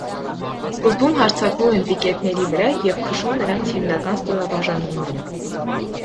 Սկզբում հարձակվում են պիկետների վրա և քշում նրանց հիմնական ստորաբաժանումները։